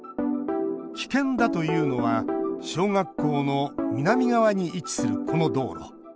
危険だというのは小学校の南側に位置するこの道路。